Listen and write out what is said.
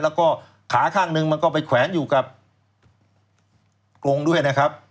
แล้วก็ขาข้างนึงมันก็ไปแขวนอยู่กับกรงด้วยนะครับ